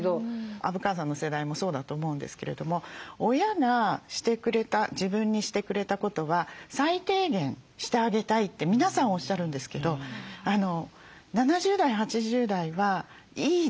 虻川さんの世代もそうだと思うんですけれども親がしてくれた自分にしてくれたことは最低限してあげたいって皆さんおっしゃるんですけど７０代８０代はいい時代だったので